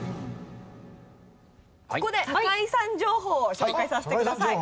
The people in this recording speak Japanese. ここで酒井さん情報を紹介させてください。